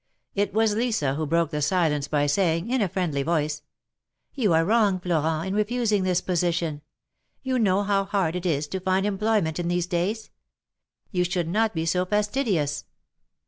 It was Lisa who broke the silence by saying, in a friendly voice : You are wrong, Florent, in refusing this position. You know how hard it is to find employment in these days. You should not be so fastidious."